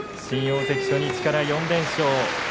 新大関、初日から４連勝。